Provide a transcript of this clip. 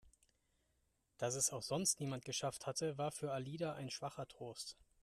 Dass es auch sonst niemand geschafft hatte, war für Alida ein schwacher Trost.